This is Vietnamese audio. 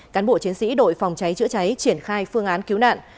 cán bộ chiến sĩ đội phòng cháy chữa cháy triển khai phương án cứu nạn